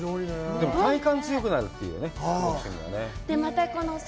でも、体幹が強くなるって言うよね。